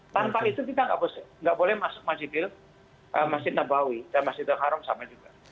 tanpa itu kita nggak boleh masuk masjid nabawi dan masjid al kharam sama juga